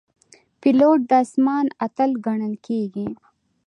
پیلوټ د آسمان اتل ګڼل کېږي.